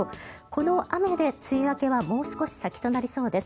この雨で梅雨明けはもう少し先となりそうです。